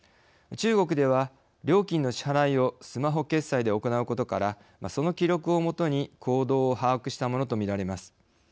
中国では料金の支払いをスマホ決済で行うことからその記録をもとに行動を把握したものと見られます。